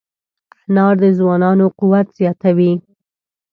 انار د ځوانانو قوت زیاتوي.